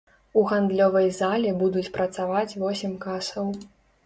У гандлёвай зале будуць працаваць восем касаў.